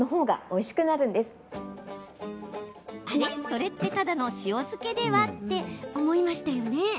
それって、ただの塩漬けでは？って思いましたよね。